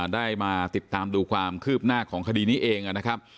ได้มาติดตามดูความคืบหน้าของคดีนี้เองนะครับ